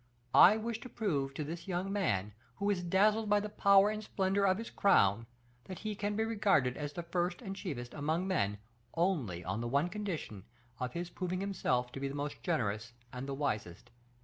I wish to prove to this young man, who is dazzled by the power and splendor of his crown, that he can be regarded as the first and chiefest among men only on the one condition of his proving himself to be the most generous and the wisest.